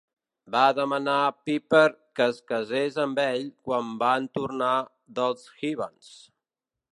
Va demanar a Piper que es casés amb ell quan van tornar dels Heavens.